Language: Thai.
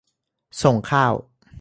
ส่งข้าว